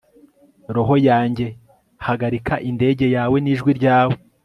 Roho yanjye hagarika indege yawe nijwi ryawe